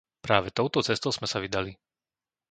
Práve touto cestou sme sa vydali.